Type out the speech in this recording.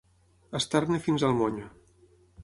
Estar-ne fins al monyo.